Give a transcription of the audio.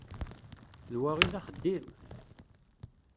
D wa i d axeddim!